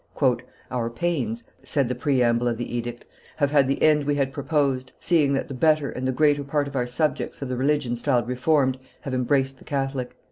"Our pains," said the preamble of the edict, "have had the end we had proposed, seeing that the better and the greater part of our subjects of the religion styled Reformed have embraced the Catholic.